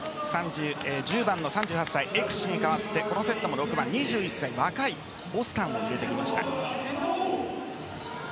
１０番の３８歳エクシに代わってこのセットも６番、２１歳若いボスタンを入れてきました。